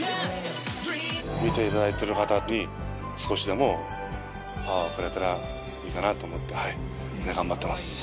見ていただいてる方に、少しでもパワーを送れたらいいかなと思って、みんな頑張ってます。